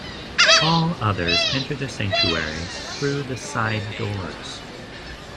All others enter the sanctuary through the side doors.